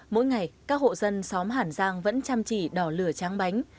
mỗi ngày các hộ dân xóm hàn giang vẫn chăm chỉ đỏ lửa tráng bánh